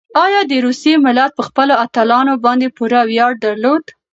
ایا د روسیې ملت په خپلو اتلانو باندې پوره ویاړ درلود؟